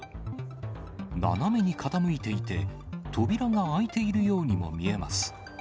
斜めに傾いていて、扉が開いているようにも見えます。